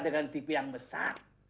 tukar tv yang besar